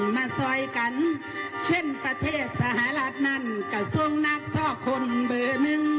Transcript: มาซอยกันเช่นประเทศสหรัฐนั้นกระทรวงนักซอกคนเบอร์หนึ่ง